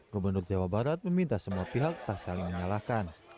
gubernur jawa barat meminta semua pihak tak saling menyalahkan